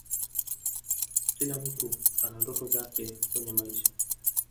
kila mtu ana ndoto zake kwenye maisha